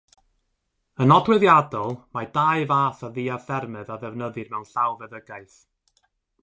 Yn nodweddiadol mae dau fath o ddiathermedd a ddefnyddir mewn llawfeddygaeth.